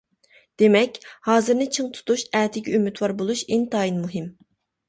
دېمەك، ھازىرنى چىڭ تۇتۇش، ئەتىگە ئۈمىدۋار بولۇش، ئىنتايىن مۇھىم.